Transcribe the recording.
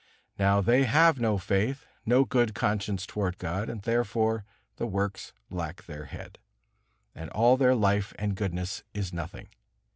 Now they have no faith, no good conscience toward God, therefore the works lack their head, and all their life and goodness is nothing.